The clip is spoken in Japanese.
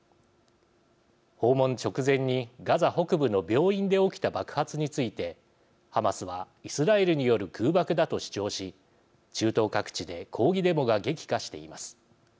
訪問直前にガザ北部の病院で起きた爆発についてハマスはイスラエルによる空爆だと主張し中東各地で抗議デモが激化しています。